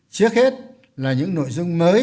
trước hết là những nội dung mới